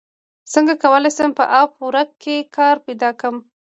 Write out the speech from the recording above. څنګه کولی شم په اپ ورک کې کار پیدا کړم